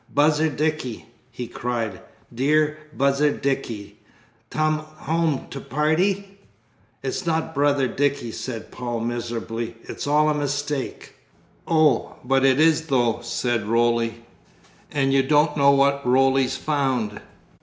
"Buzzer Dicky," he cried, "dear buzzer Dicky, tum 'ome to party!" "It's not brother Dicky," said Paul miserably; "it's all a mistake." "Oh, but it is though," said Roly; "and you don't know what Roly's found."